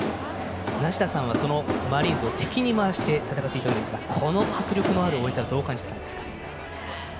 梨田さんはそのマリーンズを敵に回して戦っていたわけですが迫力のある応援はどう感じていたんですか？